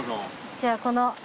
じゃあこの。